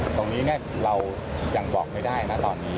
ตรงนี้เรายังบอกไม่ได้นะตอนนี้